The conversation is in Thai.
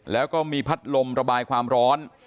แล้วก็มีพัดลมระบายความร้อน